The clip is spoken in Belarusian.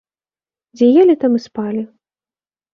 Дзе елі, там і спалі.